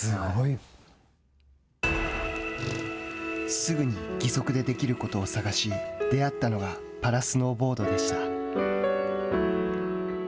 すぐに義足でできることを探し出会ったのがパラスノーボードでした。